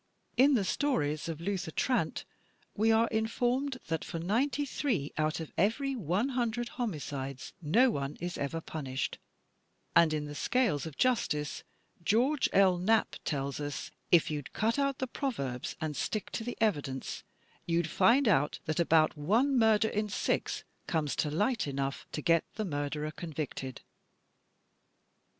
In the stories of Luther Trant, we are informed "that for ninety three out of every one himdred homicides no one is ever punished," and in "The Scales of Justice," George L. Knapp tells us, "If you'd cut out the proverbs and stick to the evidence, you'd find out that about one murder in six comes to light enough to get the murderer convicted."